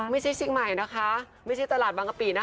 ไม่ใช่เชียงใหม่นะคะไม่ใช่ตลาดบางกะปินะ